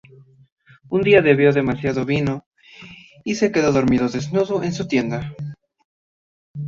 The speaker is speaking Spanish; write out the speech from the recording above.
Un día debió demasiado vino y se quedó dormido desnudo en su tienda.